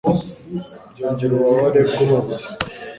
byongera ububabare bwu mubiri.